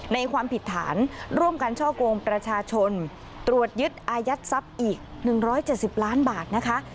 ความผิดฐานร่วมกันช่อกงประชาชนตรวจยึดอายัดทรัพย์อีก๑๗๐ล้านบาทนะคะ